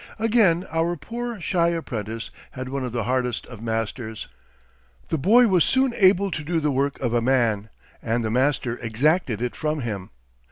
Again our poor, shy apprentice had one of the hardest of masters. The boy was soon able to do the work of a man, and the master exacted it from him.